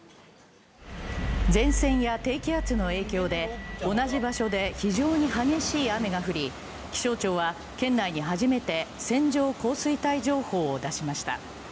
前線や低気圧の影響で同じ場所で非常に激しい雨が降り、気象庁は県内に初めて線状降水帯情報を出しました。